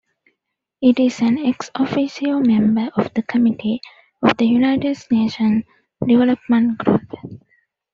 It is an ex-officio member of the Committee of the United Nations Development Group.